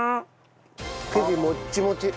生地モッチモチ。